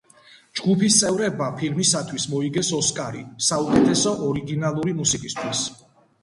ჯგუფის წევრებმა ფილმისათვის მოიგეს ოსკარი საუკეთესო ორიგინალური მუსიკისთვის.